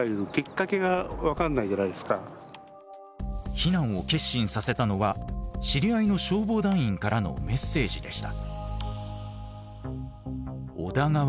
避難を決心させたのは知り合いの消防団員からのメッセージでした。